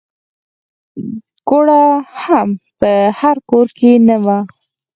ګوړه هم په هر کور کې نه وه.